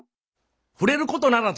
触れることならず。